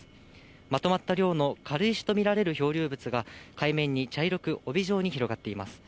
まとまった量の軽石と見られる漂流物が、海面に茶色く帯状に広がっています。